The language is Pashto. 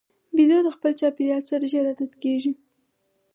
بیزو د خپل چاپېریال سره ژر عادت کېږي.